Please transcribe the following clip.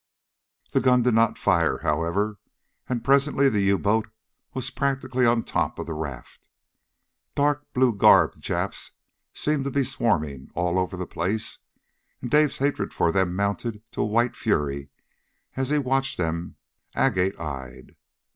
The gun did not fire, however, and presently the U boat was practically on top of the raft. Dark blue garbed Japs seemed to be swarming all over the place, and Dave's hatred for them mounted to white fury as he watched them, agate eyed.